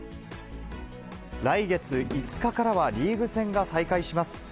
来月５日からは、リーグ戦が再開します。